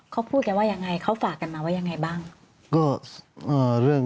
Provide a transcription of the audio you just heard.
เขาพูดกันว่ายังไงเขาฝากกันมาว่ายังไงบ้าง